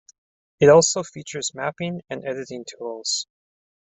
It also features mapping and editing tools.